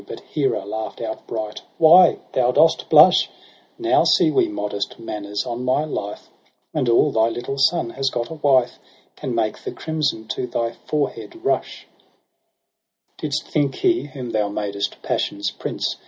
But Hera laugh'd outright :' Why thou dost blush ! Now see we modest manners on my life ! And aU thy little son has got a wife Can make the crimson to thy forehead rush. 1^6 EROS & PSYCHE ' Didst think he, whom thou madest passion's prince.